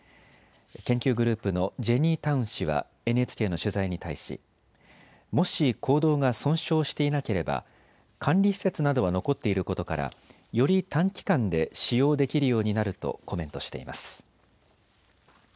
研究グループのジェニー・タウン氏はＮＨＫの取材に対しもし坑道が損傷していなければ管理施設などは残っていることからより短期間で使用できるようになるとコメントしています。